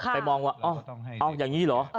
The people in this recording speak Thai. ไปมองว่าอ้ออย่างนี้เหรอ